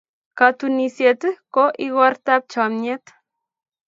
Katunisyet ko igortab chomnyet.